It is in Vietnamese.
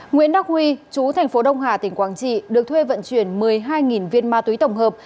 nguyễn đắc huy chú thành phố đông hà tỉnh quảng trị được thuê vận chuyển một mươi hai viên ma túy tổng hợp